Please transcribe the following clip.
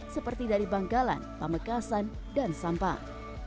seperti dari bangkalan pamekasan dan sampang